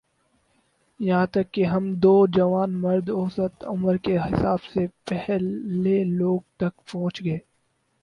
یہاں تک کہہ ہم دو جواںمرد اوسط عمر کے حساب سے پہل لے لوگ تک پہنچ گئے